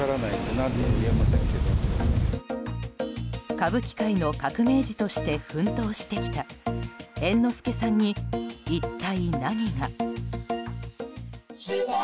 歌舞伎界の革命児として奮闘してきた猿之助さんに一体何が。